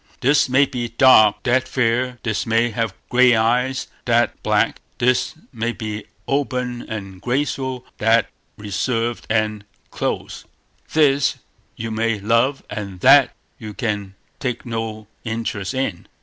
This may be dark, that fair; this may have gray eyes, that black; this may be open and graceful, that reserved and close; this you may love, that you can take no interest in.